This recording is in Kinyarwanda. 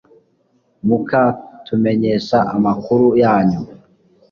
mukatumenyesha amakuru yanyu